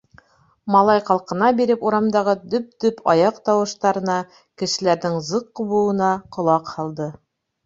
— Малай ҡалҡына биреп урамдағы дөп-дөп аяҡ тауыштарына, кешеләрҙең зыҡ ҡубыуына ҡолаҡ һалды.